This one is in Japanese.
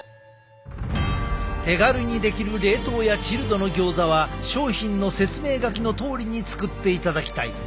手軽にできる冷凍やチルドのギョーザは商品の説明書きのとおりに作っていただきたい。